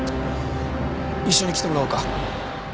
一緒に来てもらおうか。